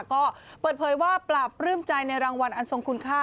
ก็เปิดเผยว่าปราบปลื้มใจในรางวัลอันทรงคุณค่า